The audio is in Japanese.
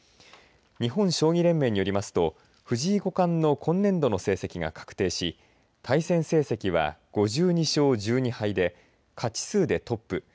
日本将棋連盟によりますと藤井五冠の今年度の成績が確定し対戦成績は５２勝１２敗で勝ち数でトップ。